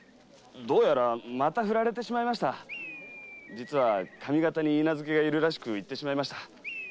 実は上方に許嫁がいるらしく行ってしまいました。